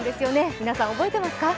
皆さん覚えてますか？